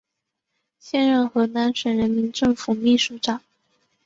现任河南省人民政府秘书长。